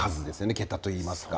桁といいますか。